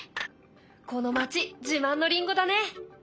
この町自慢のりんごだね。